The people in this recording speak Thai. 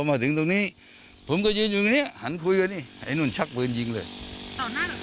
พอมาถึงตรงนี้ผมก็ยืนอยู่ตรงเนี้ยหันคุยกันดิไอ้นั่นชักเปลือนยิงเลยต่อหน้าต่อกลางนั่น